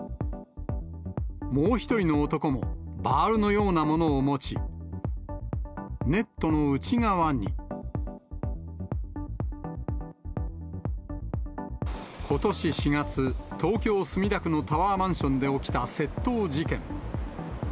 もう一人の男もバールのようなものを持ち、ネットの内側に。ことし４月、東京・墨田区のタワーマンションで起きた窃盗事件。